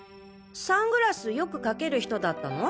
サングラスよくかける人だったの？